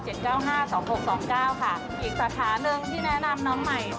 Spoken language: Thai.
อีกสถานึงที่แนะนำน้ำใหม่